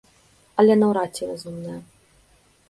Але наўрад ці разумная.